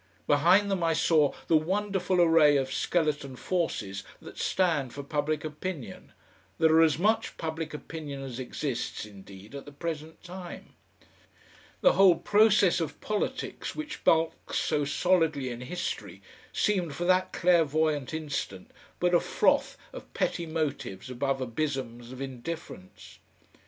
Behind them I saw the wonderful array of skeleton forces that stand for public opinion, that are as much public opinion as exists indeed at the present time. The whole process of politics which bulks so solidly in history seemed for that clairvoyant instant but a froth of petty motives above abysms of indifference....